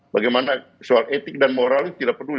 bagaimana soal etik dan moral itu tidak peduli